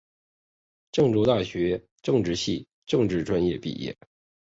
郑州大学政治系政治专业毕业。